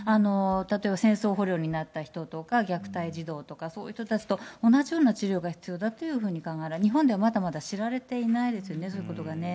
例えば戦争捕虜になった人とか、虐待児童とか、そういう人たちと同じような治療が必要だというふうに考えられて、日本ではまだまだ知られていないですよね、そういうことがね。